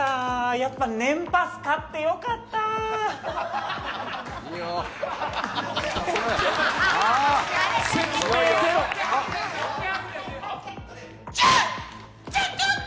やっぱ年パス買ってよかった！